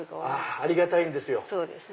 ありがたいんですよ。